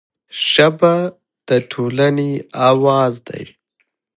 ژبه د ټولنې اواز دی